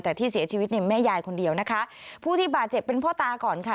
แต่ที่เสียชีวิตในแม่ยายคนเดียวนะคะผู้ที่บาดเจ็บเป็นพ่อตาก่อนค่ะ